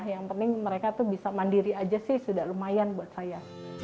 yang penting mereka tuh bisa mandiri aja sih sudah lumayan buat saya